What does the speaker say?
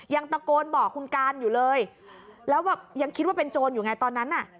ยังตะโกนบอกคุณการอยู่เลยแล้วแบบยังคิดว่าเป็นโจรอยู่ไงตอนนั้นน่ะ